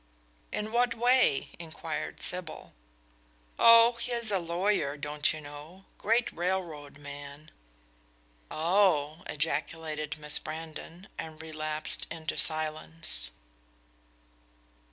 "In what way?" inquired Sybil. "Oh, he is a lawyer, don't you know? great railroad man." "Oh," ejaculated Miss Brandon, and relapsed into silence.